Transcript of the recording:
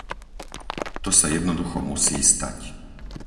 To sa jednoducho musí stať.